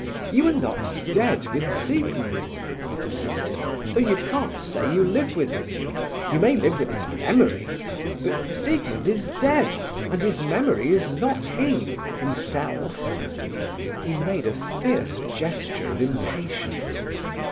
"You are not dead with Siegmund," he persisted, "so you can't say you live with him. You may live with his memory. But Siegmund is dead, and his memory is not he—himself," He made a fierce gesture of impatience.